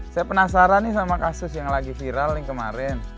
saya penasaran nih sama kasus yang lagi viral yang kemarin